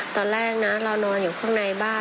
ตอนแรกนะเรานอนอยู่ข้างในบ้าน